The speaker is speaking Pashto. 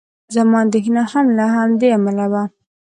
زما اندېښنه هم له همدې امله وه.